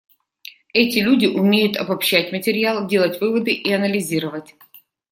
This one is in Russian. Эти люди умеют обобщать материал, делать выводы и анализировать.